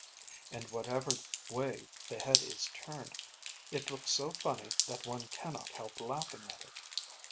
And whatever way the head is turned, it looks so funny that one cannot help laughing at it.